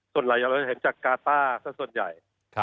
ส่วนหลายอย่างเราจะเห็นจากการ์ต้าซะส่วนใหญ่